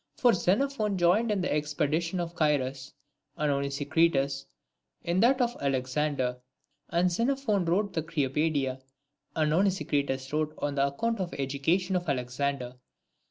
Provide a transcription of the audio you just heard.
For Xenophon joined in the expedition of Cyrus, and Onesi critus in that of Alexander ; and Xenophon wrote the Cyropaedia, and Onesicritus wrote an account of the education of Alexander.